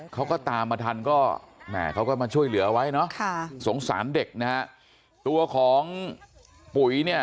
เขาก็ตามมาทันก็แหมเขาก็มาช่วยเหลือไว้เนาะสงสารเด็กนะฮะตัวของปุ๋ยเนี่ย